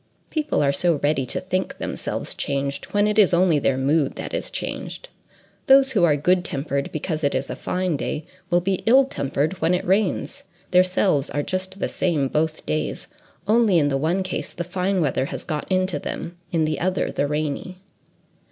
People are so ready to think themselves changed when it is only their mood that is changed! Those who are good tempered because it is a fine day, will be ill tempered when it rains: their selves are just the same both days; only in the one case, the fine weather has got into them, in the other the rainy.